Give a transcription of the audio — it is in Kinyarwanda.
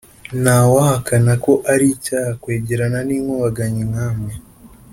ntawahakana ko ari icyaha kwegerana n'inkubaganyi nka mwe